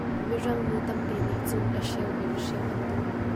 Mirangnu tampi nih cun a hreu in hreu an duh.